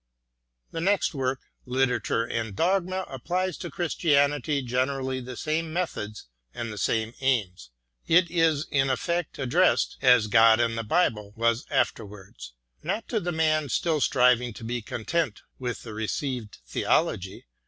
The next work, "Literature and Dogma," applies to Christianity generally the same methods and the same aims. It is in effect addressed, as "God and the Bible" was afterwards, not to the man still striving to be content with the received theology.